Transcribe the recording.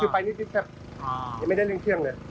ไปนิดแทบยังไม่ได้เร่งเครื่องเลย